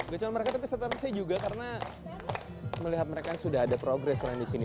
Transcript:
gak cuma mereka tapi setara saya juga karena melihat mereka sudah ada progres selain di sini